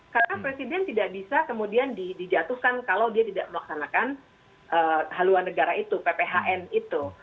karena presiden tidak bisa kemudian dijatuhkan kalau dia tidak melaksanakan haluan negara itu pphn itu